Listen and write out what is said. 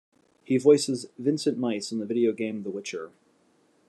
He voices Vincent Meis in the video game "The Witcher".